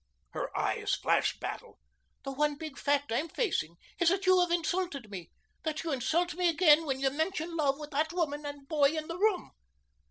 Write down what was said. Her eyes flashed battle. "The one big fact I'm facing is that you have insulted me that you insult me again when you mention love with that woman and boy in the room.